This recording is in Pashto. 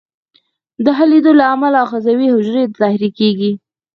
د حلېدو له امله آخذوي حجرې تحریکیږي.